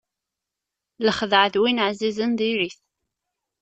Lexdeɛ d win ɛzizen diri-t.